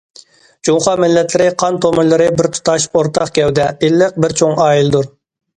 جۇڭخۇا مىللەتلىرى قان تومۇرلىرى بىر تۇتاش ئورتاق گەۋدە، ئىللىق بىر چوڭ ئائىلىدۇر.